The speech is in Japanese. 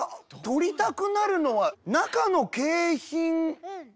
取りたくなるのは中の景品が。